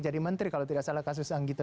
jadi menteri kalau tidak salah kasus anggito